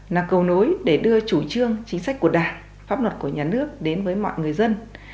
là cầu nối để đưa chủ trương chính sách của đảng pháp luật của nhà nước đến với mọi người dân